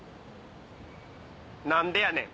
何でやねん。